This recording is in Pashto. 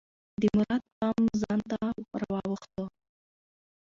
د مراد پام ځان ته راواووخته.